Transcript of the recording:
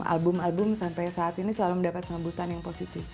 album album sampai saat ini selalu mendapat sambutan yang positif